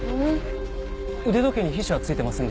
腕時計に皮脂は付いてませんでした？